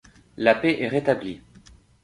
La paix est rétablie.